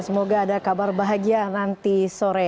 semoga ada kabar bahagia nanti sore